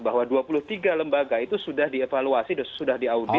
bahwa dua puluh tiga lembaga itu sudah dievaluasi sudah diaudit